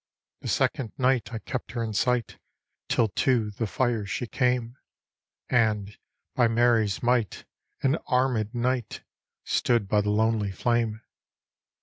" The second ni^t I kept her in sigjit, Till to the fire she came, And, by Mary's might! an Armed Knight Stood by the lonely flame.